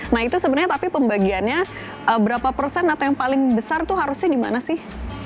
nah itu sebenarnya tapi pembagiannya berapa persen atau yang paling besar itu harusnya di mana sih